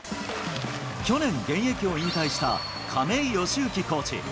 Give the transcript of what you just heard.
去年現役を引退した亀井善行コーチ。